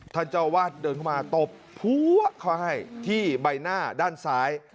เจ้าวาดเดินเข้ามาตบพัวเขาให้ที่ใบหน้าด้านซ้าย